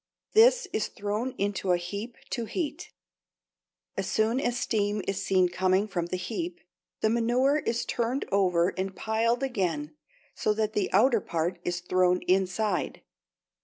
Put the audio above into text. This is thrown into a heap to heat. As soon as steam is seen coming from the heap the manure is turned over and piled again so that the outer part is thrown inside.